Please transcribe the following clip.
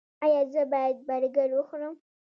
ایا زه باید برګر وخورم؟